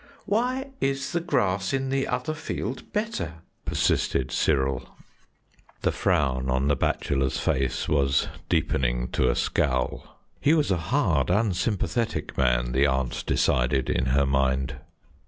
"Why is the grass in the other field better?" persisted Cyril. The frown on the bachelor's face was deepening to a scowl. He was a hard, unsympathetic man, the aunt decided in her mind.